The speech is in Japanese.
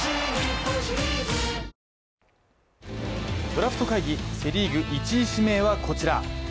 ドラフト会議、セ・リーグ１位指名はこちら。